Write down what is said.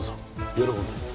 喜んで。